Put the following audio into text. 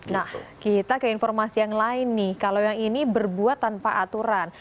nah kita ke informasi yang lain nih kalau yang ini berbuat tanpa aturan